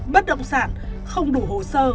bất động sản không đủ hồ sơ